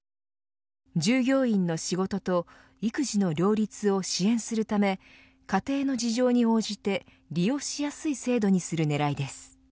従業員の仕事と育児の両立を支援するため家庭の事情に応じて利用しやすい制度にする狙いです。